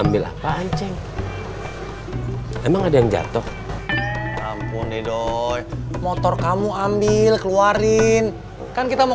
ambil apaan ceng emang ada yang jatuh ampun deh doi motor kamu ambil keluarin kan kita mau